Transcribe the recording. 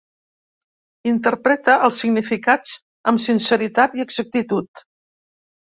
Interpreta els significats amb sinceritat i exactitud.